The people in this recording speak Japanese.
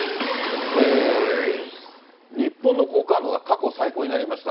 日本への好感度が過去最高になりました。